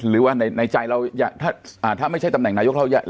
หรือว่าในใจเราถ้าไม่ใช่ตำแหน่งนายกเรา